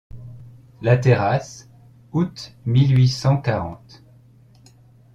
La Terrasse, août mille huit cent quarante.